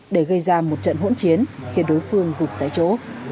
để gây ra một trận hỗn chiến khiến đối phương gục tại chỗ